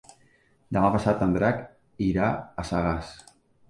Demà passat en Drac irà a Sagàs.